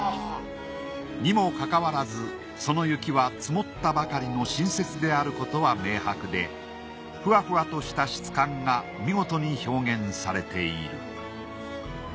にもかかわらずその雪は積もったばかりの新雪であることは明白でふわふわとした質感が見事に表現されている